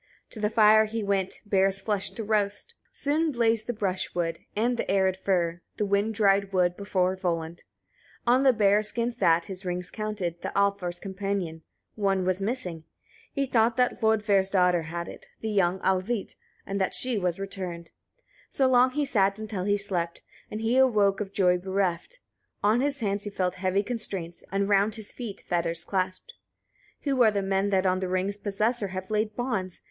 9. To the fire he went, bear's flesh to roast. Soon blazed the brushwood, and the arid fir, the wind dried wood, before Volund. 10. On the bearskin sat, his rings counted, the Alfar's companion: one was missing. He thought that Hlodver's daughter had it, the young Alvit, and that she was returned. 11. So long he sat until he slept; and he awoke of joy bereft: on his hands he felt heavy constraints, and round his feet fetters clasped. 12. "Who are the men that on the rings' possessor have laid bonds?